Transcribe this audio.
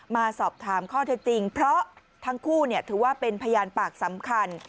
มาสอบถามข้อเท็จจริงเพราะทั้งคู่ถือว่าเป็นพยานปากสำคัญ